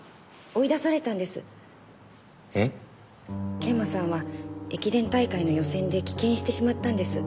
桂馬さんは駅伝大会の予選で棄権してしまったんです。